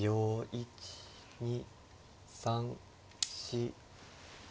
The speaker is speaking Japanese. １２３４。